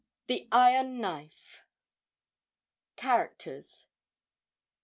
THE IRON KNIFE. CHARACTERS.